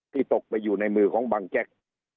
ตกไปอยู่ในมือของบังแจ๊ก